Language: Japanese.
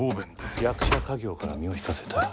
役者稼業から身を引かせたい。